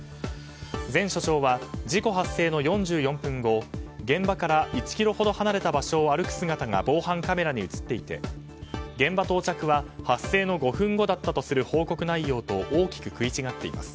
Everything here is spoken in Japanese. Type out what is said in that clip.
前署長は事故発生の４４分後現場から１ｋｍほど離れた場所を歩く姿が防犯カメラに映っていて現場到着は発生の５分後だったとする報告内容と大きく食い違っています。